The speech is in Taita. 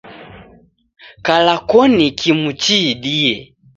Kala koni kimu chiidie.